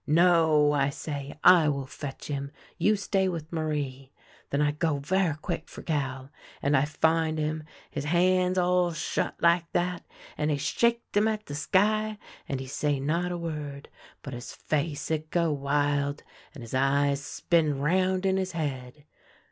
' No,' I say, ' I will fetch him. You stay with Marie.' Then I go ver' quick for Gal, and I find him, his hands all shut like that ! and he shake them at the sky, and he say not a word, but his face, it go wild, and his eyes spin round in his head.